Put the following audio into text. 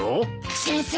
先生。